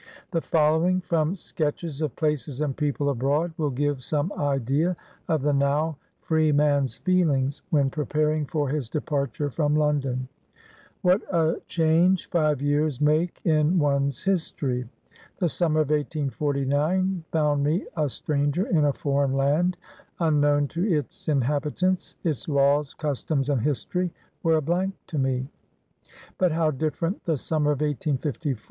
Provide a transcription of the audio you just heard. The following, from " Sketches of Places and People Abroad," will give some idea of the (now) freeman's feelings, when preparing for his departure from Lon don :—" What a change five years make in one's history ! The summer of 1849 found me a stranger in a foreign AN AMERICAN BONDMAN. 101 land, unknown to its inhabitants ; its laws, customs and history were a blank to me. But how different the summer of 1851 !